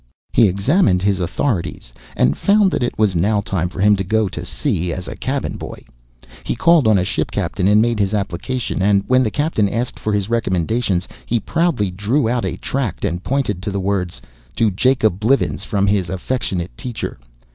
He examined his authorities, and found that it was now time for him to go to sea as a cabin boy. He called on a ship captain and made his application, and when the captain asked for his recommendations he proudly drew out a tract and pointed to the word, "To Jacob Blivens, from his affectionate teacher."